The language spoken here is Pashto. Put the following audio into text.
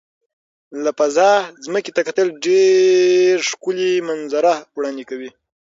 له فضا ځمکې ته کتل ډېر ښکلي منظره وړاندې کوي.